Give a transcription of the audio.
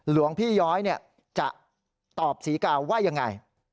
หลวงพี่ย้อยจะตอบศรีกาว่ายังไง